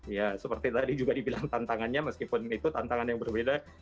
ya seperti tadi juga dibilang tantangannya meskipun itu tantangan yang berbeda